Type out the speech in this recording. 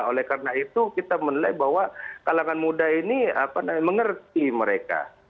oleh karena itu kita menilai bahwa kalangan muda ini mengerti mereka